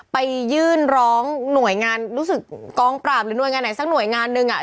ไปยื่นร้องหน่วยงานรู้สึกกองปราบหรือหน่วยงานไหนสักหน่วยงานหนึ่งอ่ะ